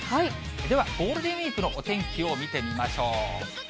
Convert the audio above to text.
ではゴールデンウィークのお天気を見てみましょう。